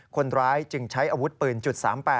คนร้ายจึงใช้อาวุธปืน๓๘